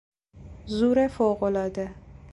زور فوقالعاده